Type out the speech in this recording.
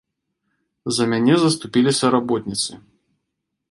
За мяне заступіліся работніцы.